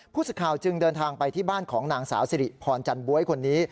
สึกข่าวจึงเดินทางไปที่บ้านของนางสาวสิริพรจันบ๊วยคนนี้